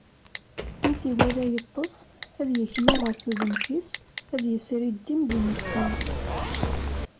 Mi t-iwala yeṭṭes, ad yeknu ɣer tudemt-is ad yesriddim d imeṭṭi.